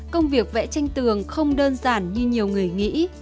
công việc vẽ tranh tường không đơn giản như nhiều người nghĩ